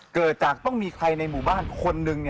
เกิดจากต้องมีใครในหมู่บ้านคนหนึ่ง